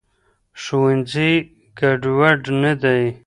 ښوونځي ګډوډ نه دی.